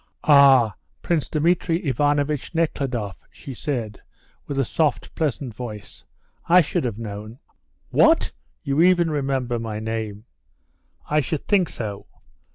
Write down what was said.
"Ah, Prince Dmitri Ivanovitch Nekhludoff," she said, with a soft, pleasant voice. "I should have known " "What! you even remember my name?" "I should think so.